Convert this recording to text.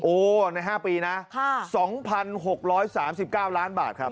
ใน๕ปีนะ๒๖๓๙ล้านบาทครับ